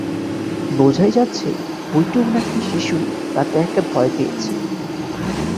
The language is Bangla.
বোঝাই যাচ্ছে, ওইটুকুন একটি শিশু রাতে একা ভয় পেয়েছে।